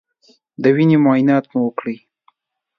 د وینې معاینات مو وکړی